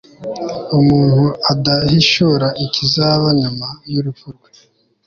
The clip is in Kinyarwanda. umuntu adahishura ikizaba nyuma y'urupfu rwe